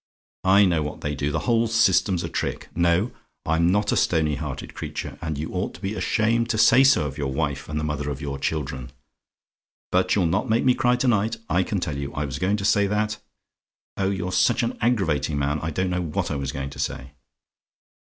I know what they do: the whole system's a trick. No: I'M NOT A STONY HEARTED CREATURE: and you ought to be ashamed to say so of your wife and the mother of your children, but you'll not make me cry to night, I can tell you I was going to say that oh! you're such an aggravating man I don't know what I was going to say!